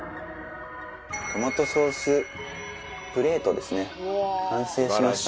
トマトソースプレートですね完成しました。